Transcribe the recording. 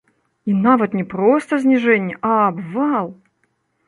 І нават не проста зніжэнне, а абвал!